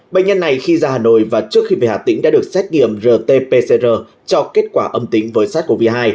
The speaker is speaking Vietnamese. bệnh nhân này khi ra hà nội và trước khi về hà tĩnh đã được xét nghiệm rt pcr cho kết quả âm tính với sars cov hai